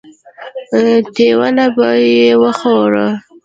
تيونه به يې وښورول.